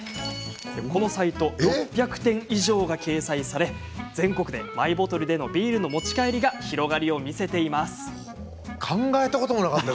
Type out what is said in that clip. このサイト６００店以上が掲載され全国でマイボトルでのビールの持ち帰りが広がりを見せています。